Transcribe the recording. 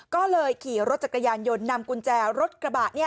ก็เลยขี่รถจักรยานยนต์นำกุญแจรถกระบะ